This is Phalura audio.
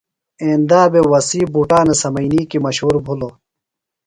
ایندا بھےۡ وسیع بُٹانُوۡ سمئینی کی مشہور بِھلوۡ۔